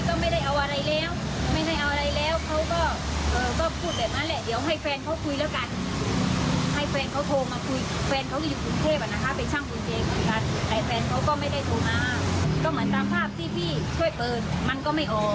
ก็ตามภ่าพที่ช่วยเราเปิดมันก็ไม่ต้องการโทร